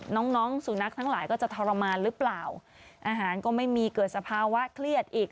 น้องน้องสุนัขทั้งหลายก็จะทรมานหรือเปล่าอาหารก็ไม่มีเกิดสภาวะเครียดอีก